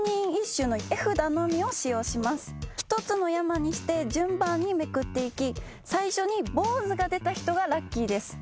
一つの山にして順番にめくっていき最初に坊主が出た人がラッキーです。